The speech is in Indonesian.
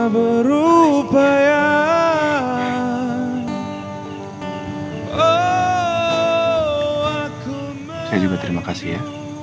berupaya saya juga terima kasih ya